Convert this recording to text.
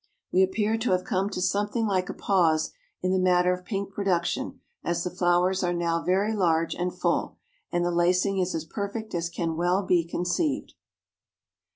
We appear to have come to something like a pause in the matter of Pink production as the flowers are now very large and full, and the lacing is as perfect as can well be conceived."